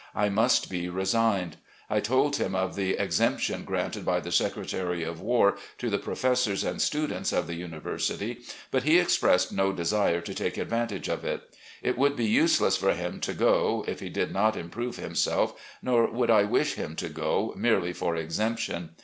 I must be resigned. I told him of the exemption granted by the Secretary of War to the professors and students of the university, but he expressed no desire to take advantage of it. It would be useless for him to go, if he did not improve himself, nor would I wish him to go merely for exemption.